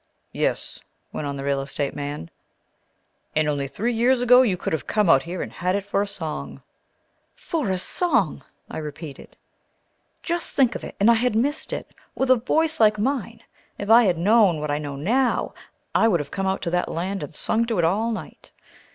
"Yes," went on the real estate man, "and only three years ago you could have come out here and had it for a song!" "For a song!" I repeated. Just think of it! And I had missed it! With a voice like mine. If I had known what I know now, I would have come out to that land and sung to it all night.